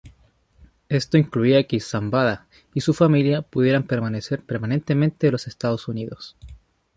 Esto incluía que Zambada y su familia pudieran permanecer permanentemente en los Estados Unidos.